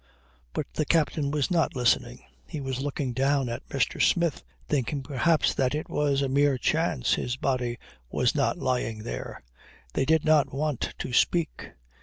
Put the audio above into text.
But the captain was not listening. He was looking down at Mr. Smith, thinking perhaps that it was a mere chance his own body was not lying there. They did not want to speak.